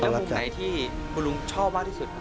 แต่แบบไหนที่คุณลุงชอบมากที่สุด